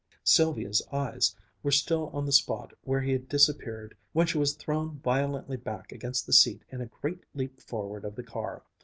Sylvia's eyes were still on the spot where he had disappeared when she was thrown violently back against the seat in a great leap forward of the car.